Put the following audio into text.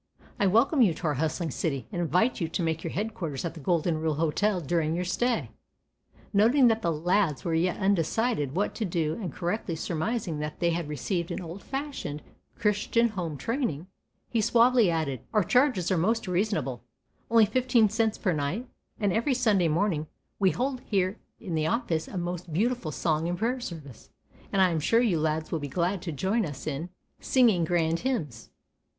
"I welcome you to our hustling city, and invite you to make your headquarters at the "Golden Rule Hotel" during your stay." Noting that the lads were yet undecided what to do and correctly surmising that they had received an old fashioned, Christian home training, he suavely added: "Our charges are most reasonable, only fifteen cents per night, and every Sunday morning we hold here in the office a most beautiful song and prayer service, and I am sure you lads will be glad to join us in singing grand hymns."